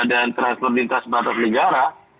dan transfer lintas batas negara